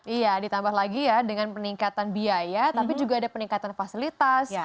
iya ditambah lagi ya dengan peningkatan biaya tapi juga ada peningkatan fasilitas